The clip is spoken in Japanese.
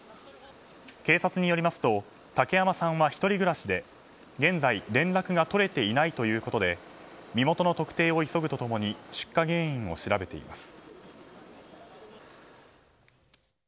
警察によりますと、竹山さんは１人暮らしで現在連絡が取れていないということで身元の特定を急ぐと共に出火原因を調べています。